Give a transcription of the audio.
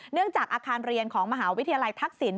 เนื่องจากอาคารเรียนของมหาวิทยาลัยทักศิลป์